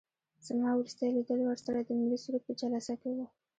زما وروستی لیدل ورسره د ملي سرود په جلسه کې وو.